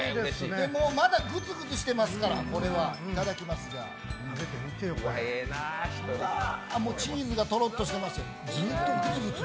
まだグツグツしてますから、これはチーズがとろっとしてますよ。